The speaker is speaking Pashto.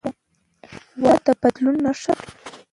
وده د بدلون نښه ده.